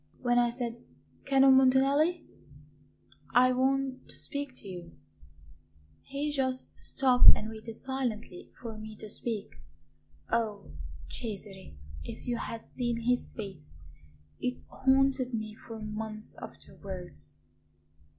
When I said: 'Canon Montanelli, I want to speak to you,' he just stopped and waited silently for me to speak. Oh, Cesare, if you had seen his face it haunted me for months afterwards!